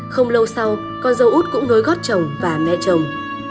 không lâu sau con dâu út cũng nối gót chồng và mẹ chồng